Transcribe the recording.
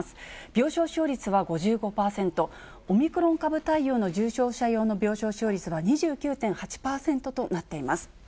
病床使用率は５５％、オミクロン株対応の重症者用の病床使用率は２９．８％となっています。